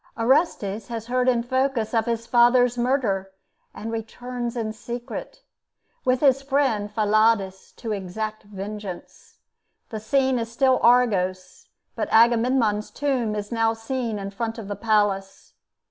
Orestes has heard in Phocis of his father's murder, and returns in secret, with his friend Pylades, to exact vengeance. The scene is still Argos, but Agamemnon's tomb is now seen in front of the palace.